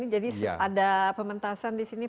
jadi ada pementasan di sini